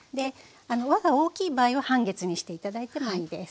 輪が大きい場合は半月にして頂いてもいいです。